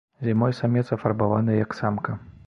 Зімой самец афарбаваны як самка.